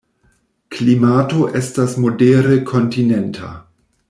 Klimato estas modere kontinenta.